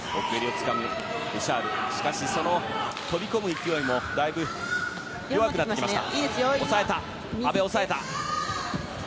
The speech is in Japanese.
しかし、飛び込む勢いもだいぶ弱くなってきました。